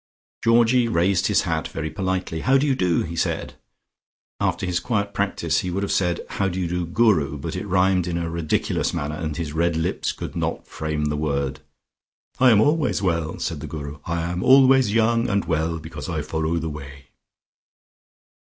Georgie raised his hat very politely. "How do you do?" he said. (After his quiet practice he would have said "How do you do Guru?" but it rhymed in a ridiculous manner and his red lips could not frame the word.) "I am always well," said the Guru, "I am always young and well because I follow the Way."